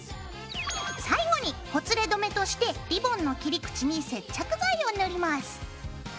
最後にほつれ止めとしてリボンの切り口に接着剤を塗ります。